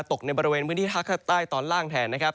ตกในบริเวณพื้นที่ภาคใต้ตอนล่างแทนนะครับ